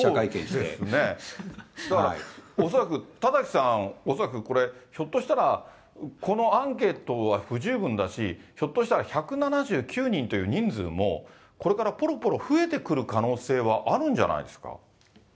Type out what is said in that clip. そうですね、だから恐らく、田崎さん、恐らくこれ、ひょっとしたらこのアンケートは不十分だし、ひょっとしたら１７９人という人数も、これからぽろぽろ増えてくる可能性はあるんじゃないんですか。